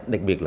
đặc biệt là